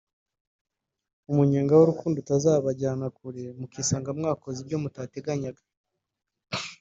umunyenga w'urukundo utazabajyana kure mukisanga mwakoze ibyo mutatekeganyaga